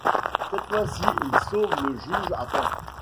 Cette fois-ci, il sauve le juge à temps.